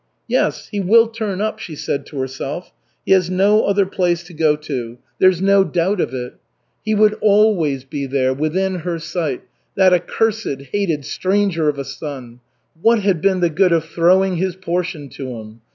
"Yes, he will turn up," she said to herself, "he has no other place to go to, there's no doubt of it." He would always be there, within her sight, that accursed, hated stranger of a son. What had been the good of throwing his portion to him?